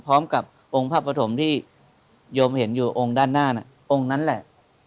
พร้อมกับองค์พระปฐมที่โยมเห็นอยู่องค์ด้านหน้าน่ะองค์นั้นแหละ